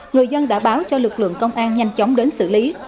người dân đã báo cho lực lượng công an nhanh chóng đến xử lý